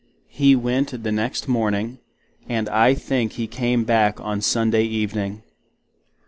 He went the next morning; and I think he came back on Sunday evening.